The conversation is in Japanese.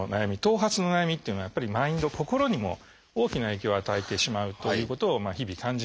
頭髪の悩みっていうのはやっぱりマインド心にも大きな影響を与えてしまうということを日々感じます。